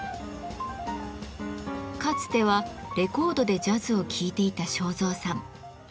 かつてはレコードでジャズを聴いていた正蔵さん。